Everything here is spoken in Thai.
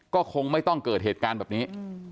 ก็คงไม่ต้องเกิดเหตุการณ์แบบนี้